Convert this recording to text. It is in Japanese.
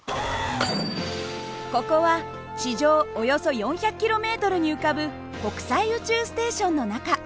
ここは地上およそ４００ｋｍに浮かぶ国際宇宙ステーションの中。